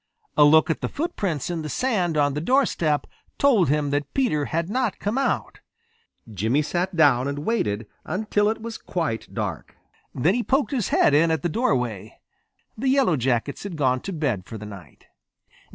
A look at the footprints in the sand on the doorstep told him that Peter had not come out. Jimmy sat down and waited until it was quite dark. Then he poked his head in at the doorway. The Yellow Jackets had gone to bed for the night.